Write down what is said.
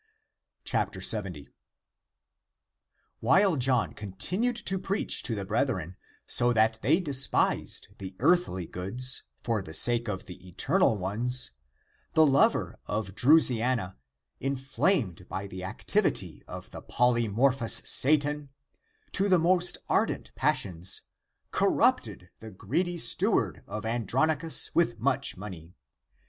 70. While John continued to preach to the brethren, so that they despised the earthly goods for the sake of the eternal ones, the lover of Dru siana, inflamed by the activity of the polymorphous Satan, to the most ardent passions, corrupted the greedy steward of Andronicus with much money.